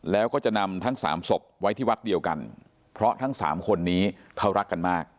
แล้วก็จะนำทั้งสามศพไว้ที่วัดเดียวกันเพราะทั้งสามคนนี้เขารักกันมาก